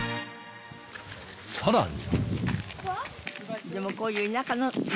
さらに。